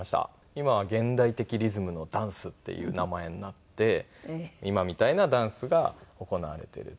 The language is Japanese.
今は現代的リズムのダンスっていう名前になって今みたいなダンスが行われているっていう感じですね。